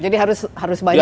jadi harus banyak